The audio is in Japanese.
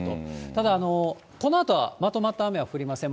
ただ、このあとはまとまった雨は降りません。